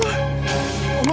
kejadian pada malam itu